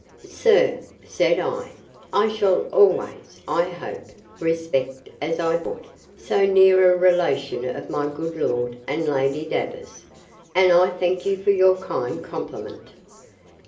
Sir, said I, I shall always, I hope, respect as I ought, so near a relation of my good Lord and Lady Davers; and I thank you for your kind compliment.